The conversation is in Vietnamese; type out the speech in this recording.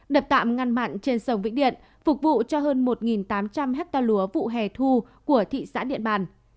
đập tạm ngăn mặn trên sông vĩnh điện phục vụ cho hơn một tám trăm linh hectare lúa vụ hè thu của thị xã điện bàn